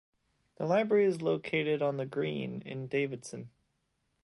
The library is located on the Green in Davidson.